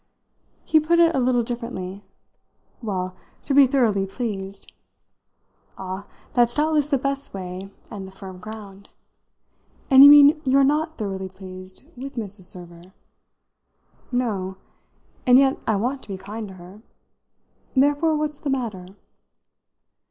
He put it a little differently. "Well, to be thoroughly pleased." "Ah, that's doubtless the best way and the firm ground. And you mean you're not thoroughly pleased with Mrs. Server?" "No and yet I want to be kind to her. Therefore what's the matter?"